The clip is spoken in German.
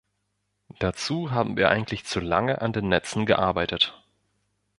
Dazu haben wir eigentlich zu lange an den Netzen gearbeitet.